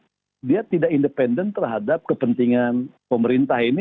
mereka tidak independen terhadap kepentingan pemerintah ini